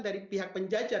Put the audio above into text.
dari pihak penjajah